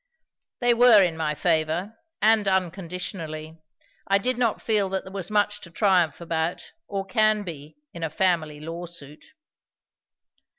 "They were in my favour, and unconditionally. I did not feel that there was much to triumph about, or can be, in a family lawsuit."